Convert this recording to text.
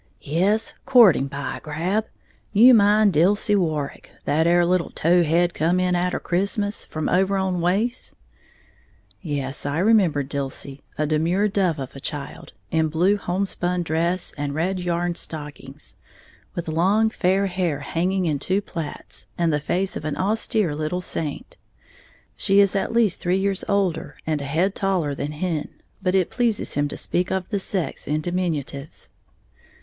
"Yes, courting, by grab! You mind Dilsey Warrick, that 'ere little tow head come in atter Christmas, from over on Wace?" Yes, I remembered Dilsey, a demure dove of a child, in blue home spun dress and red yarn stockings, with long, fair hair hanging in two plaits, and the face of an austere little saint. She is at least three years older and a head taller than Hen, but it pleases him to speak of the sex in diminutives.